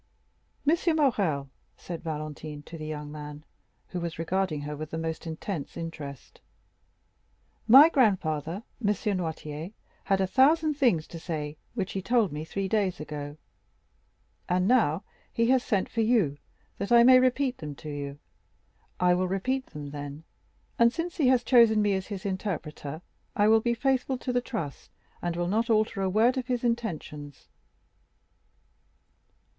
"Monsieur Morrel," said Valentine to the young man, who was regarding her with the most intense interest, "my grandfather, M. Noirtier, had a thousand things to say, which he told me three days ago; and now, he has sent for you, that I may repeat them to you. I will repeat them, then; and since he has chosen me as his interpreter, I will be faithful to the trust, and will not alter a word of his intentions."